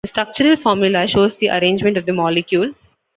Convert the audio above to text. The structural formula shows the arrangement of the molecule.